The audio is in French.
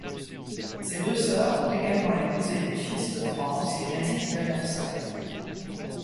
Ses deux sœurs ont également épousé des fils de France et résident à Versailles.